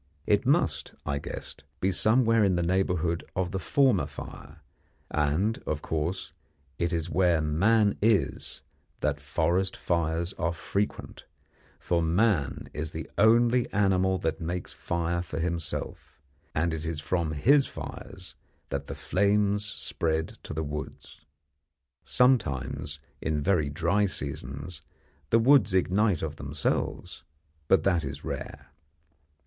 It must, I guessed, be somewhere in the neighbourhood of the former fire, and, of course, it is where man is that forest fires are frequent; for man is the only animal that makes fires for himself, and it is from his fires that the flames spread to the woods. Sometimes, in very dry seasons, the woods ignite of themselves, but that is rare.